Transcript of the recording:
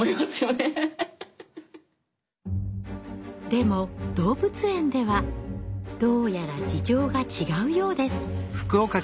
でも動物園ではどうやら事情が違うようです。